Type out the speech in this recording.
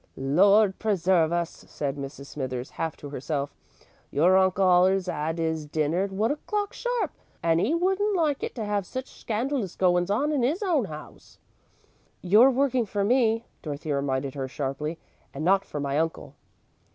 "Lord preserve us," said Mrs. Smithers, half to herself. "Your uncle allers 'ad 'is dinner at one o'clock, sharp, and 'e wouldn't like it to 'ave such scandalous goin's on in 'is own 'ouse." "You're working for me," Dorothy reminded her sharply, "and not for my uncle."